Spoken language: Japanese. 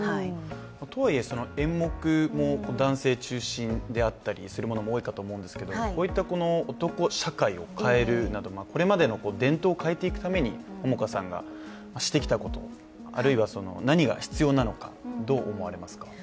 とはいえ、演目も男性中心であったりするものも多いかと思いますけれどもこういった男社会を変えるなどこれまでの伝統を変えていくために桃花さんがしてきたこと、あるいは何が必要なのか、どう思われますか。